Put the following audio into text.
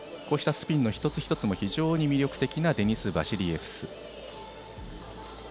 こうしたスピンの一つ一つも非常に魅力的なデニス・バシリエフス。